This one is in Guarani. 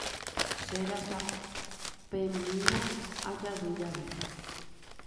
Cheresapemína ajavy jave.